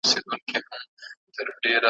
انتظار به مو د بل بهار کولای `